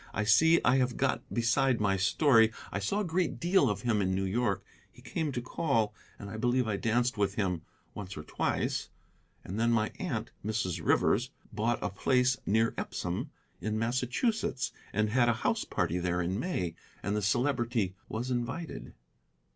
"I see I have got beside my story. I saw a great deal of him in New York. He came to call, and I believe I danced with him once or twice. And then my aunt, Mrs. Rivers, bought a place near Epsom, in Massachusetts, and had a house party there in May. And the Celebrity was invited."